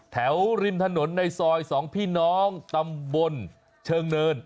ริมถนนในซอย๒พี่น้องตำบลเชิงเนิน